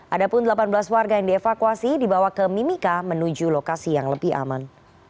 ada pun delapan belas warga yang dievakuasi dibawa ke mimika menuju lokasi yang lebih aman